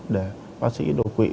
để bác sĩ đột quỵ